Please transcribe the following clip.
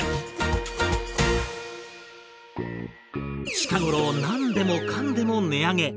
近頃何でもかんでも値上げ。